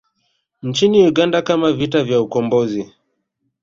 Nchini Uganda kama vita vya Ukombozi